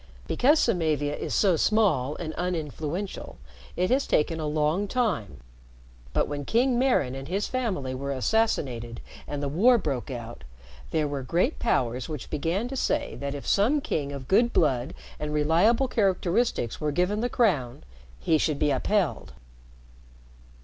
Because Samavia is so small and uninfluential, it has taken a long time but when King Maran and his family were assassinated and the war broke out, there were great powers which began to say that if some king of good blood and reliable characteristics were given the crown, he should be upheld."